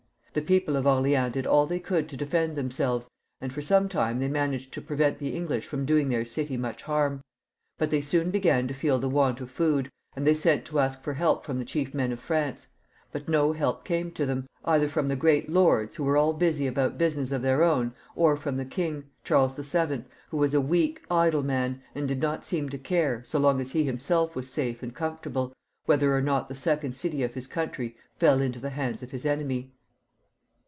The people of Orleans did aU they could to defend themselves, and for some time they managed to prevent the English from doing their city much harm, but they soon began to feel the want of food, and they sent to ask for help from the chief men of France. But no help came to them either firam the great lords, who were all busy about business of their own, or from the king, Charles VII., who was a weak, idle man, xxxj CHARLES VII. 201 and did not seem to care, so long as he himself was safe and comfortable, whether or not the second city of his country fell into the hands of his enemy.